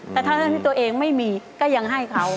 แต่ทั้งที่ตัวเองไม่มีก็ยังให้เขา